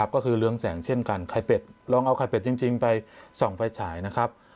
ก็คือเรืองแสงเช่นกันไข่เป็ดลองเอาไข่เป็ดจริงไปส่องไฟฉายนะครับ